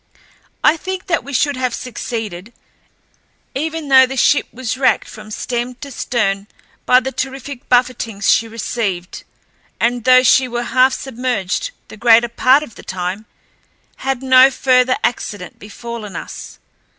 I think that we should have succeeded, even though the ship was wracked from stem to stern by the terrific buffetings she received, and though she were half submerged the greater part of the time, had no further accident befallen us.